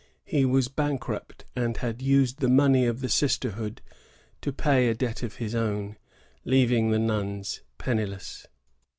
^ He was bank* rupty and had used the money of the sisterhood to pay a debt of his own, leaving the nuns penniless.